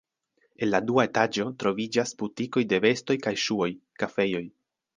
En la dua etaĝo troviĝas butikoj de vestoj kaj ŝuoj, kafejoj.